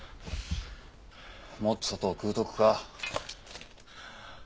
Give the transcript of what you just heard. もっと砂糖食うとくか？